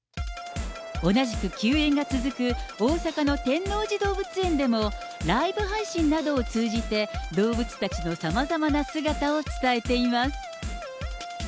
同じく休園が続く大阪の天王寺動物園でも、ライブ配信などを通じて、動物たちのさまざまな姿を伝えています。